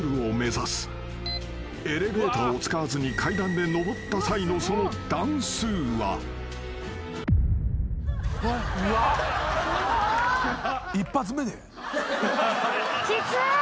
［エレベーターを使わずに階段で上った際の］きつっ。